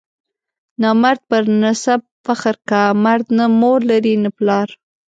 نامرد پر نسب فخر کا، مرد نه مور لري نه پلار.